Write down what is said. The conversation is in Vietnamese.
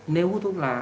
nếu hút thuốc lá